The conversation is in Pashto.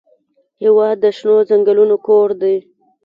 هېواد د شنو ځنګلونو کور دی.